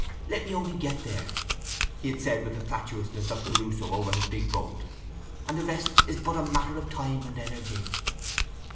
"Let me only get there," he had said with the fatuousness of Crusoe over his big boat, "and the rest is but a matter of time and energy."